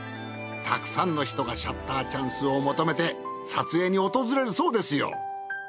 たくさんの人がシャッターチャンスを求めて撮影に訪れるそうですよ。